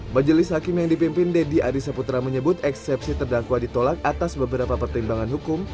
majelis hakim yang dipimpin dedy arisaputra menyebut eksepsi terdakwa ditolak atas beberapa pertimbangan hukum